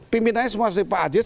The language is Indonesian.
pimpinannya semua dari pak ajis